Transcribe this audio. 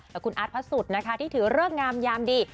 และคุณอาร์ดพระสุทธิ์ที่ถือเรื่องงามยามดี